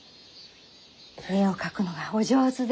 絵を描くのがお上手で。